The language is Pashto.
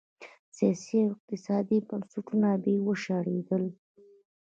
سیاسي او اقتصادي بنسټونه یې وشړېدل.